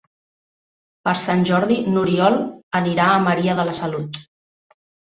Per Sant Jordi n'Oriol anirà a Maria de la Salut.